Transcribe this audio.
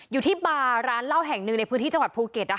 อยู่ที่บาร์ร้านเหล้าแห่งหนึ่งในพื้นที่จังหวัดภูเก็ต